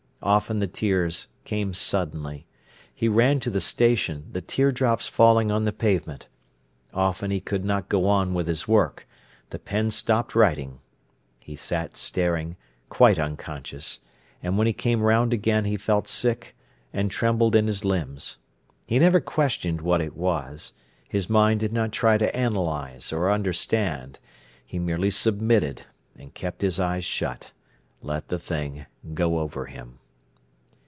Often the tears came suddenly. He ran to the station, the tear drops falling on the pavement. Often he could not go on with his work. The pen stopped writing. He sat staring, quite unconscious. And when he came round again he felt sick, and trembled in his limbs. He never questioned what it was. His mind did not try to analyse or understand. He merely submitted, and kept his eyes shut; let the thing go over him.